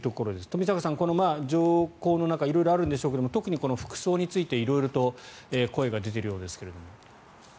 冨坂さん、この条項の中色々あるんでしょうけど特に服装について色々と声が出ているようですが。